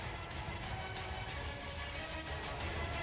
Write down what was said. helikopter ini dilengkapi peluncur roket ffar dua tujuh puluh lima inci